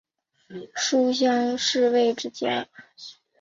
书香世胄之家。